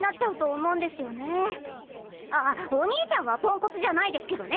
あっお兄ちゃんはポンコツじゃないですけどね。